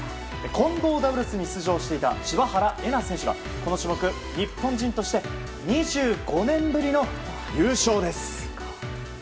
混合ダブルスに出場していた柴原瑛菜選手がこの種目、日本人として２５年ぶりの優勝です。